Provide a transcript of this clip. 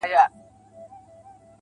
هڅه د راتلونکي امید دی.